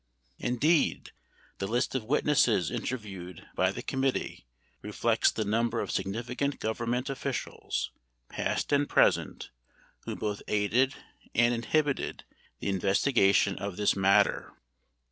Indeed, the list of witnesses interviewed by the committee reflects the number of significant Government officials, past and present, who both aided and inhibited the investigation of this matter.